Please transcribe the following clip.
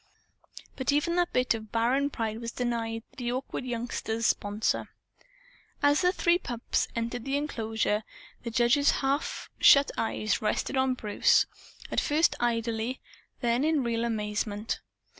But even that bit of barren pride was denied the awkward youngster's sponsor. As the three pups entered the enclosure, the judge's half shut eyes rested on Bruce at first idly, then in real amazement.